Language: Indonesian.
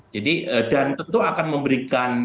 jadi dan tentu akan memberikan